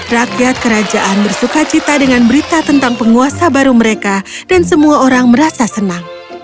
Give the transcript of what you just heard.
rakyat kerajaan bersuka cita dengan berita tentang penguasa baru mereka dan semua orang merasa senang